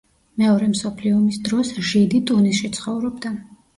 მეორე მსოფლიო ომის დროს ჟიდი ტუნისში ცხოვრობდა.